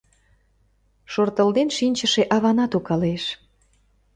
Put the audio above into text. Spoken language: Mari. Шортылден шинчыше аванат укалеш.